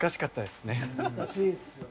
難しいっすよね。